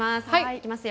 いきますよ。